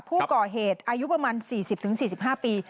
ผู้ก่อเหตุอายุประมาณ๔๐๔๕ปี